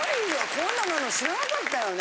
こんなんがあるの知らなかったよね。